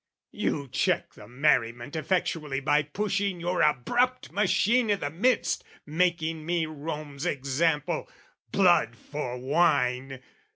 You check the merriment effectually By pushing your abrupt machine i' the midst, Making me Rome's example: blood for wine!